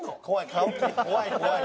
顔怖い怖い。